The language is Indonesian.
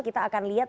kita akan lihat